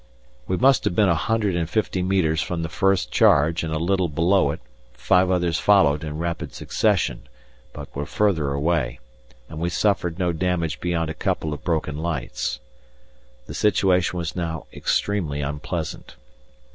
We must have been a hundred and fifty metres from the first charge and a little below it, five others followed in rapid succession, but were further away, and we suffered no damage beyond a couple of broken lights. The situation was now extremely unpleasant.